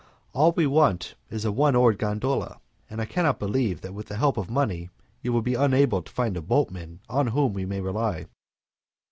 All we want is a one oared gondola, and I cannot believe that with the help of money you will be unable to find a boatman on whom we may rely."